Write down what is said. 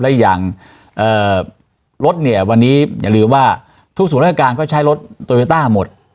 และอย่างรถเนี่ยวันนี้อย่าลืมว่าทุกศูนย์ราชการก็ใช้รถโตโยต้าหมด